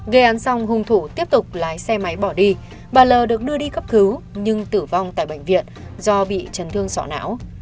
gây án xong hung thủ tiếp tục lái xe máy bỏ đi bà l được đưa đi cấp cứu nhưng tử vong tại bệnh viện do bị chấn thương sọ não